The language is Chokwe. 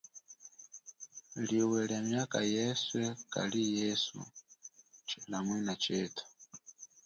Liwe lia miaka yeswe kali yesu tshilamwina chetu.